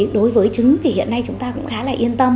đối với trứng thì hiện nay chúng ta cũng khá là yên tâm